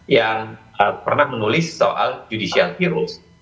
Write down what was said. yang pernah menulis soal judicial virus